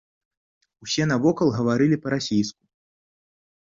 Усе навокал гаварылі па-расейску.